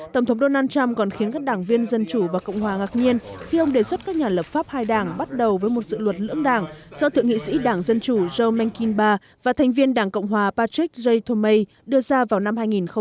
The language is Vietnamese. tổng thống donald trump còn khiến các đảng viên dân chủ và cộng hòa ngạc nhiên khi ông đề xuất các nhà lập pháp hai đảng bắt đầu với một dự luật lưỡng đảng do thượng nghị sĩ đảng dân chủ joe biden và thành viên đảng cộng hòa patrick jomey đưa ra vào năm hai nghìn một mươi